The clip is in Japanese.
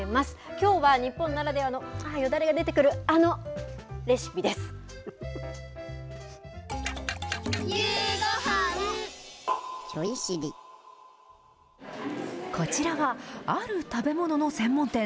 きょうは、日本ならではの、ああ、よだれが出てくる、あのレシピでこちらは、ある食べ物の専門店。